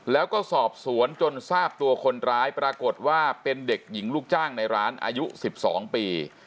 แล้วก็สอบสวนจนทราบตัวคนร้ายปรากฏว่าเป็นเด็กหญิงลูกจ้างในร้านอายุ๑๒ปี